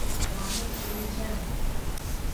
Lanetleneceğim.